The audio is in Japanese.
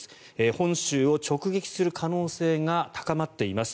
本州を直撃する可能性が高まっています。